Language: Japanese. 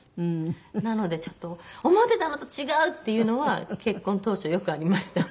なのでちょっと思ってたのと違うっていうのは結婚当初よくありました。